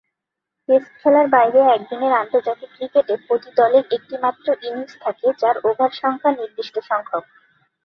Test খেলার বাইরে একদিনের আন্তর্জাতিক ক্রিকেটে প্রতি দলের একটি মাত্র ইনিংস থাকে যার ওভার সংখ্যা নির্দিষ্ট সংখ্যক।